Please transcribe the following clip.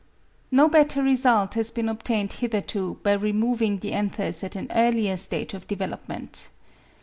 No better result has been obtained hitherto by removing the anthers at an earlier stage of development.